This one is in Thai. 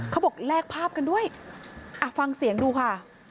เขาบอกแลกภาพกันด้วยอ่ะฟังเสียงดูค่ะ